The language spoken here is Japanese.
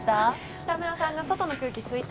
北村さんが外の空気吸いたいって。